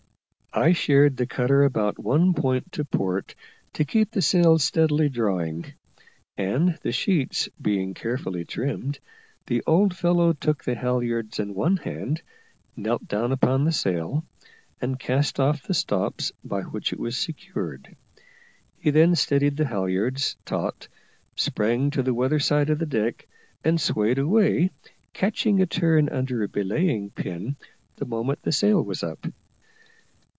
I sheered the cutter about one point to port to keep the sail steadily drawing; and, the sheets being carefully trimmed, the old fellow took the halliards in one hand, knelt down upon the sail, and cast off the stops by which it was secured. He then steadied the halliards taut, sprang to the weather side of the deck, and swayed away, catching a turn under a belaying pin the moment the sail was up.